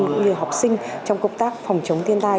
cũng như học sinh trong công tác phòng chống thiên tai